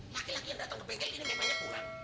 laki laki yang datang ke bengkel ini bebannya kurang